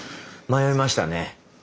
迷いましたね。